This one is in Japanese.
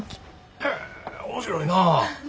へえ面白いなあ。